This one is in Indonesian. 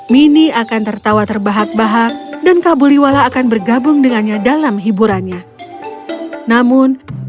mini akan tertawa terbahak bahak dan kabuliwala akan bergabung dengannya dalam hiburannya namun